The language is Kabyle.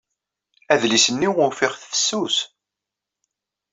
Adlis-nni ufiɣ-t fessus.